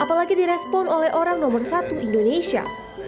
apalagi direspon oleh orang nomor satu indonesia